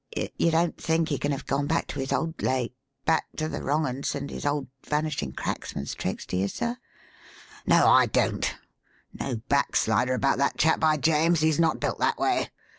You don't think he can have gone back to his old lay back to the wrong 'uns and his old 'Vanishing Cracksman's' tricks, do you, sir?" "No, I don't. No backslider about that chap, by James! He's not built that way.